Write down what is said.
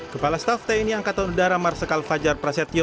kepala staff tni angkatan udara marsikal fajar prasetyo